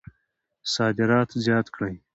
صادرات زیات کړئ